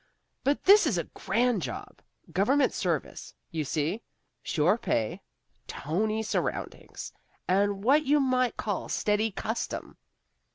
But this is a grand job. Government service, you see: sure pay, tony surroundings, and what you might call steady custom.